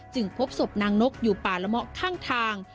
จึงพบศพนางนกอยู่ป่าลมะข้างทาง